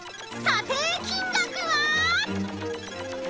査定金額は？］